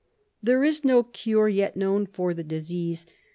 "There is no cure yet known for the disease.